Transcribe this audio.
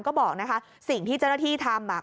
ก็บอกนะคะสิ่งที่เจ้าหน้าที่ทำ